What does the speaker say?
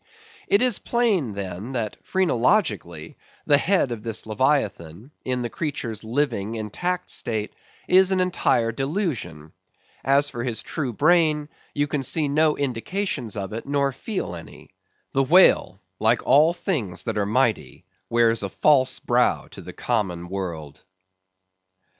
It is plain, then, that phrenologically the head of this Leviathan, in the creature's living intact state, is an entire delusion. As for his true brain, you can then see no indications of it, nor feel any. The whale, like all things that are mighty, wears a false brow to the common world.